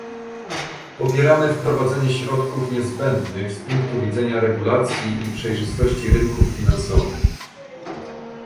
Popieramy wprowadzenie środków niezbędnych z punktu widzenia regulacji i przejrzystości rynków finansowych